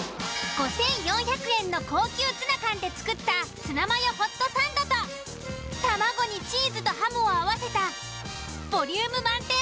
５、４００円の高級ツナ缶で作ったツナマヨホットサンドとたまごにチーズとハムを合わせたボリューム満点